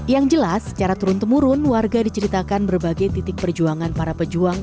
yang jelas secara turun temurun warga diceritakan berbagai titik perjuangan para pejuang